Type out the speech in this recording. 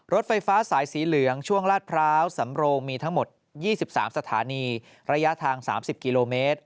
รถไฟฟ้าสายสีเหลืองช่วงลาดพร้าวสำโรงมีทั้งหมด๒๓สถานีระยะทาง๓๐กิโลเมตร